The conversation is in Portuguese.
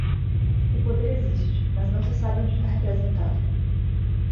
O poder existe, mas não se sabe onde está representado.